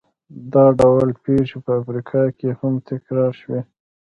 دا ډول پېښې په افریقا کې هم تکرار شوې.